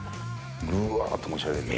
ブワーッと持ち上げて。